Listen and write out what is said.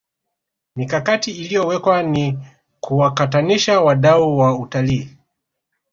mikakati iliyowekwa ni kuwakutanisha wadau wa utalii